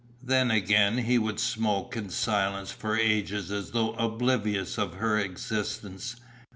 Then again, he would smoke in silence for ages as though oblivious of her existence.